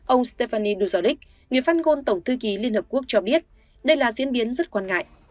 ông stefanin duzadek người phát ngôn tổng thư ký liên hợp quốc cho biết đây là diễn biến rất quan ngại